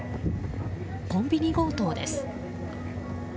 コンビニ強盗です。